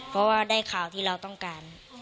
เพราะว่าได้ข่าวที่เราต้องการ